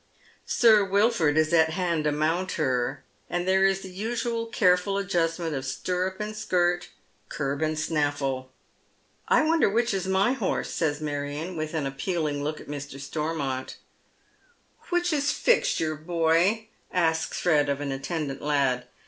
Sir Wilford is at hand to mount her, and there is the usual careful adjustment of stirrup and skirt, curb and snalHe. " I wonder which is my horse ?" says Marion, with an appeal ing look at Mr. Stormont. " Which is Fixture, boy ?" asks Fred of an attendant lad.